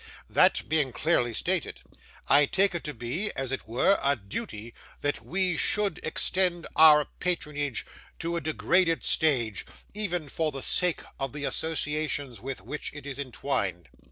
That being clearly stated, I take it to be, as it were, a duty, that we should extend our patronage to a degraded stage, even for the sake of the associations with which it is entwined.